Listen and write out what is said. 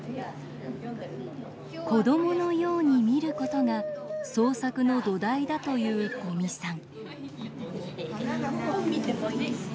子どものように見ることが創作の土台だという五味さん。